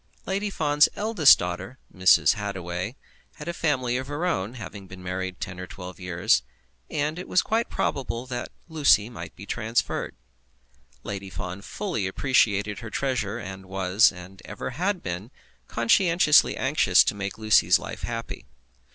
Lady Fawn's eldest daughter, Mrs. Hittaway, had a family of her own, having been married ten or twelve years, and it was quite probable that Lucy might be transferred. Lady Fawn fully appreciated her treasure, and was, and ever had been, conscientiously anxious to make Lucy's life happy.